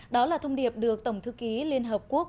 đó là thông điệp được tổng thư ký liên hợp quốc